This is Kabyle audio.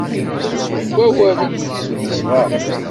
Seg Ubawal i d-nezdem isɣaren.